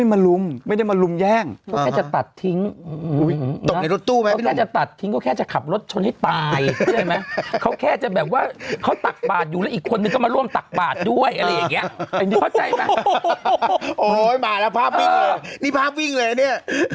โอ้โฮมาแล้วภาพวิ่งนี่ภาพวิ่งอะไรเนี่ย